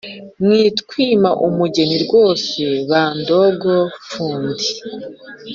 mwitwima umugeni rwose mba ndoga fundi.